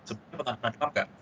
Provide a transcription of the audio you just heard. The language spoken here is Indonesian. sebenarnya pernah demam nggak